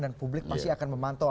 dan publik masih akan memantau